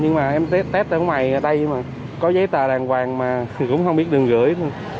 nhưng mà test ở ngoài ở đây mà có giấy tờ đàng hoàng mà cũng không biết đường gửi